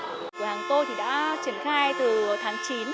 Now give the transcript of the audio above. cựa hàng tôi đã triển khai từ tháng chín